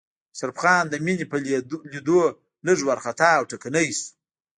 اشرف خان د مينې په ليدو لږ وارخطا او ټکنی شو.